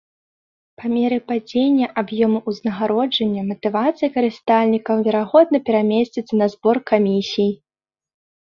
Па меры падзення аб'ёму ўзнагароджання матывацыя карыстальнікаў, верагодна, перамесціцца на збор камісій.